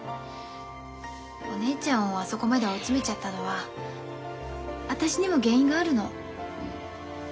お姉ちゃんをあそこまで追い詰めちゃったのは私にも原因があるの。